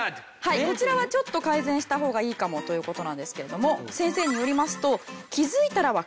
こちらはちょっと改善した方がいいかもという事なんですけれども先生によりますと。